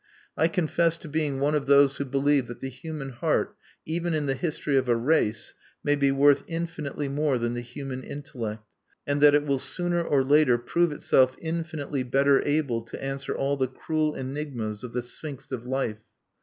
I confess to being one of those who believe that the human heart, even in the history of a race, may be worth infinitely more than the human intellect, and that it will sooner or later prove itself infinitely better able to answer all the cruel enigmas of the Sphinx of Life.